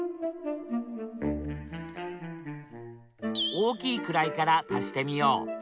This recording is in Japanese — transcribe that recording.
大きい位から足してみよう。